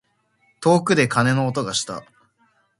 遠くで鐘の音がした。